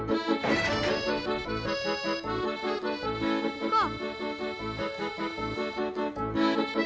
行こう！